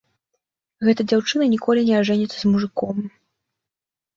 Гэта дзяўчына ніколі не ажэніцца з мужыком.